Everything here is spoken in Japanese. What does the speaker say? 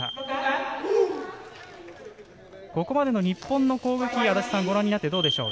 ここまでの日本の攻撃ご覧になっていかがでしょう？